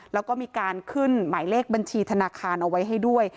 แล้วก็มีการขึ้นหมายเลขบัญชีธนาคารเอาไว้ให้ด้วย